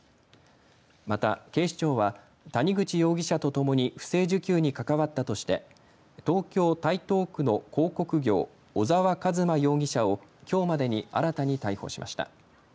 また警視庁は谷口容疑者とともに不正受給に関わったとして東京・台東区の広告業、小澤一真容疑者をきょうまでに新たに逮捕しました。